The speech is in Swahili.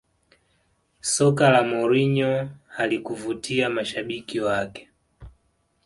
Soka la Mourinho halikuvutia mashabiki wake